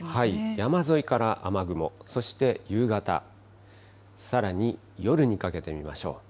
山沿いから雨雲、そして夕方、さらに夜にかけて見ましょう。